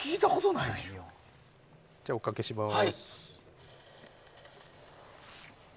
じゃあおかけします。